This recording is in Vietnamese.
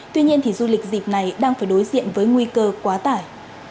tuy nhiên du lịch dịp này đang phải đối diện với nguy cơ quá tải